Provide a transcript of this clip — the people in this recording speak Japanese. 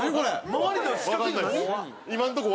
周りの四角いの何？